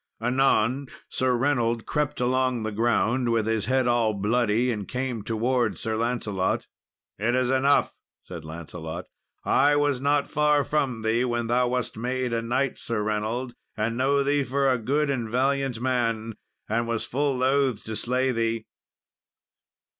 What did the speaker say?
Anon, Sir Reynold crept along the ground, with his head all bloody, and came towards Sir Lancelot. "It is enough," said Lancelot, "I was not far from thee when thou wast made a knight, Sir Reynold, and know thee for a good and valiant man, and was full loth to slay thee."